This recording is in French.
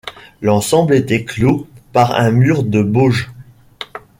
L'ensemble était clos par un mur de bauge.